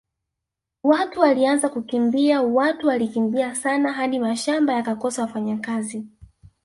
Watu walianza kukimbia watu walikimbia sana hadi mashamba yakakosa wafanyakazi